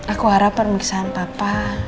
aku harap pemeriksaan bapak